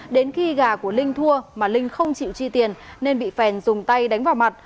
đến khi gà của linh thua mà linh không chịu chi tiền nên bị phèn dùng tay đánh vào mặt